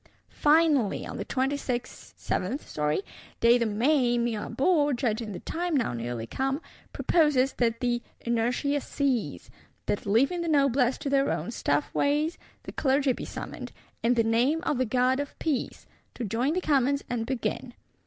—Finally, on the 27th day of May, Mirabeau, judging the time now nearly come, proposes that "the inertia cease;" that, leaving the Noblesse to their own stiff ways, the Clergy be summoned, "in the name of the God of Peace," to join the Commons, and begin.